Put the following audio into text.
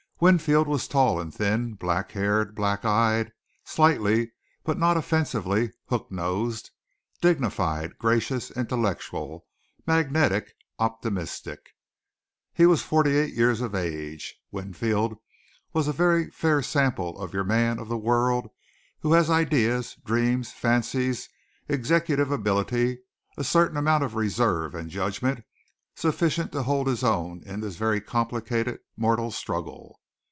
Winfield was tall and thin, black haired, black eyed, slightly but not offensively hook nosed, dignified, gracious, intellectual, magnetic, optimistic. He was forty eight years of age. Winfield was a very fair sample of your man of the world who has ideas, dreams, fancies, executive ability, a certain amount of reserve and judgment, sufficient to hold his own in this very complicated mortal struggle.